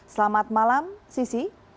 selamat malam sisi